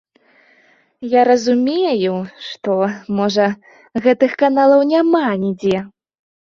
Я разумею, што, можа, гэтых каналаў няма нідзе.